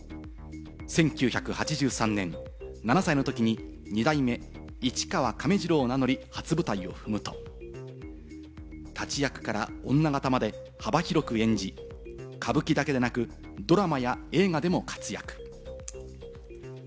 １９８３年、７歳のときに二代目市川亀治郎を名乗り初舞台を踏むと、立役から女形まで幅広く演じ、歌舞伎だけでなくドラマや映画でも活躍。